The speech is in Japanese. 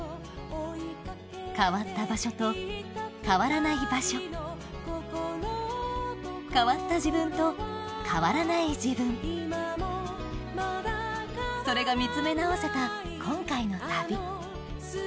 変わった場所と変わらない場所変わった自分と変わらない自分それが見つめ直せた今回の旅